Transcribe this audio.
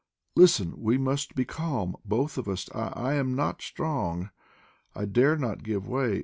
"Listen! We must be calm both of us. I I am not strong; I dare not give way.